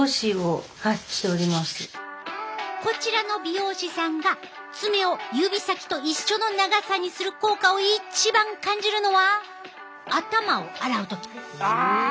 こちらの美容師さんが爪を指先と一緒の長さにする効果を一番感じるのは頭を洗う時。